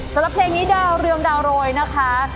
สำหรับเพลงนี้ดาวเรืองดาวโรยนะคะ